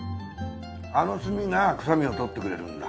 あの炭が臭みを取ってくれるんだ。